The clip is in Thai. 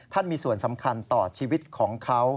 มีส่วนสำคัญต่อชีวิตของเขา